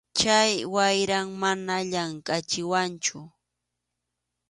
Chay wayram mana llamkʼachiwanchu.